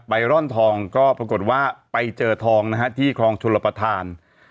ร่อนทองก็ปรากฏว่าไปเจอทองนะฮะที่คลองชลประธาน